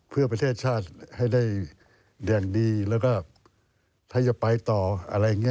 เพื่อประเทศชาติให้เรียนอย่างดีแล้วก็ถ้าอย่าไปต่ออะไรอย่างไง